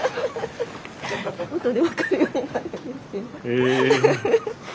・へえ！